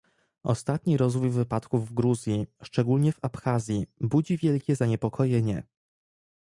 Ostatni rozwój wypadków w Gruzji, szczególnie w Abchazji, budzi wielkie zaniepokojenie